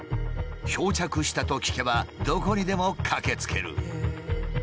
漂着したと聞けばどこにでも駆けつける。